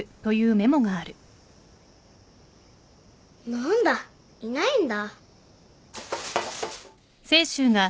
なんだいないんだ。